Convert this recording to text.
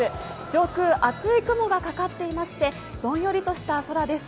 上空厚い雲がかかっていまして、どんよりとした空です。